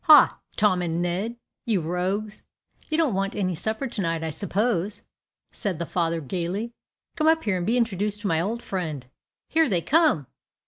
"Ha, Tom and Ned! you rogues you don't want any supper to night, I suppose," said the father, gayly; "come up here and be introduced to my old friend. Here they come!"